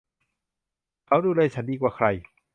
เขาดูแลฉันดีกว่าใคร